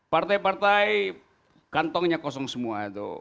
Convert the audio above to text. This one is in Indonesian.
partai partai kantongnya kosong semua itu